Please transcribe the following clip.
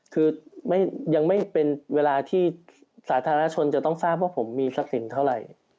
คือยังไม่เป็นเวลาที่สาธารณชนจะต้องทราบว่าผมมีทรัพย์สินเท่าไหร่